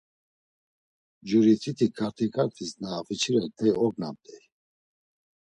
Juritikti ǩarti ǩartis na afiçirert̆ey, ognamt̆ey.